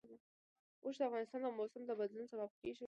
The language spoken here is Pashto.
اوښ د افغانستان د موسم د بدلون سبب کېږي.